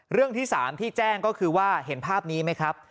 เรื่องที่๓ที่แจ้งก็คือว่าเห็นภาพนี้ไหมครับ